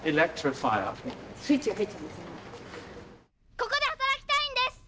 ここで働きたいんです！